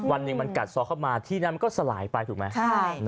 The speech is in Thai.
วันหนึ่งมันกัดซ้อเข้ามาที่นั้นมันก็สลายไปถูกไหม